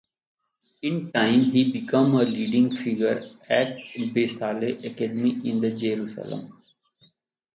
In time he became a leading figure at Bezalel Academy in Jerusalem.